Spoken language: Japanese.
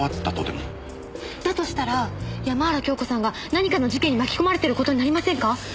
だとしたら山原京子さんが何かの事件に巻き込まれてる事になりませんか？